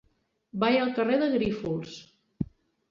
Vaig al carrer de Grífols.